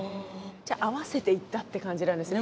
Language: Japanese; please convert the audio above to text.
じゃあ合わせて行ったって感じなんですね。